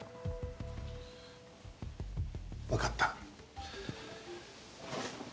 わかった。